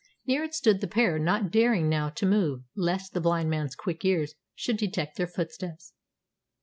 Near it stood the pair, not daring now to move lest the blind man's quick ears should detect their footsteps.